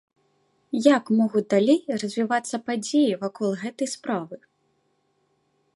Як могуць далей развівацца падзеі вакол гэтай справы?